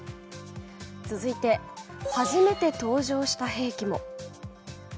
続いて初めて登場した兵器も。